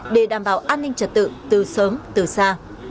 để đảm bảo an ninh trật tự từ sớm từ xa